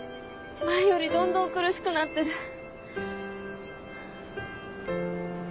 前よりどんどん苦しくなってる。